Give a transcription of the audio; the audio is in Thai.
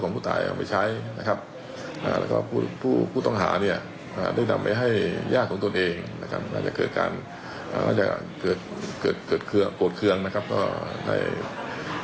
ก็จะเกิดเกิดเกิดเครือโกรธเคืองนะครับก็ไหน